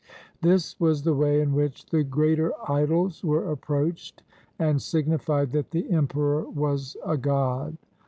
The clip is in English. This was the way in which the greater idols were ap proached and signified that the emperor was a god.